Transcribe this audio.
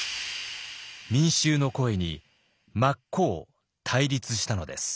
民衆の声に真っ向対立したのです。